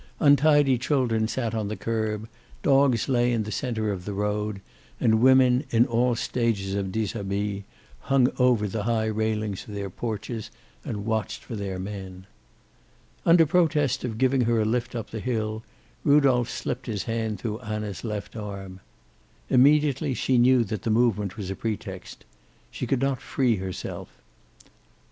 Untidy children sat on the curb, dogs lay in the center of the road, and women in all stages of dishabille hung over the high railings of their porches and watched for their men. Under protest of giving her a lift up the hill, Rudolph slipped his hand through Anna's left arm. Immediately she knew that the movement was a pretext. She could not free herself.